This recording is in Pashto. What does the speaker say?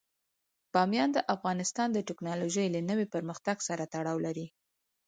بامیان د افغانستان د تکنالوژۍ له نوي پرمختګ سره تړاو لري.